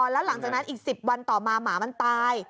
แล้วหลังจากนั้นอีก๑๐วันต่อมาหมามันตาย